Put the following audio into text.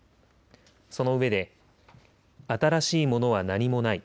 そのうえで新しいものは何もない。